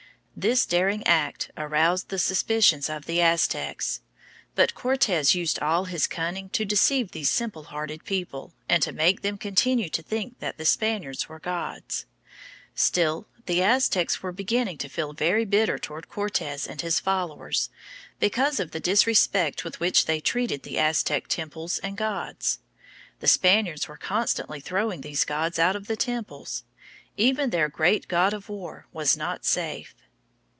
This daring act aroused the suspicions of the Aztecs. But Cortes used all his cunning to deceive these simple hearted people and to make them continue to think that the Spaniards were gods. Still, the Aztecs were beginning to feel very bitter toward Cortes and his followers because of the disrespect with which they treated the Aztec temples and gods. The Spaniards were constantly throwing these gods out of the temples. Even their great god of war was not safe.